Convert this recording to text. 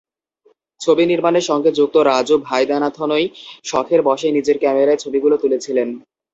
ছবি নির্মাণের সঙ্গে যুক্ত রাজু ভাইদানাথনই শখের বশে নিজের ক্যামেরায় ছবিগুলো তুলেছিলেন।